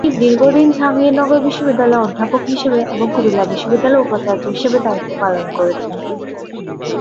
তিনি দীর্ঘদিন জাহাঙ্গীরনগর বিশ্ববিদ্যালয়ে অধ্যাপক হিসেবে এবং কুমিল্লা বিশ্ববিদ্যালয়ের উপাচার্য হিসেবে দায়িত্ব পালন করেছেন।